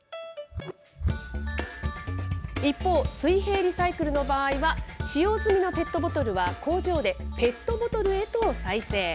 一方、水平リサイクルの場合は、使用済みのペットボトルは、工場でペットボトルへと再生。